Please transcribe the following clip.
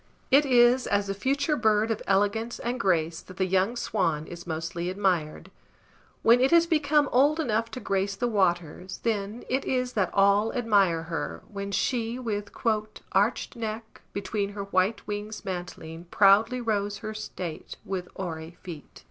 It is as the future bird of elegance and grace that the young swan is mostly admired; when it has become old enough to grace the waters, then it is that all admire her, when she with "Archèd neck, Between her white wings mantling, proudly rows Her state with oary feet."